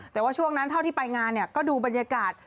แต่ว่าช่วงนั้นเท่าที่ไปงานก็ดูบรรยากาศ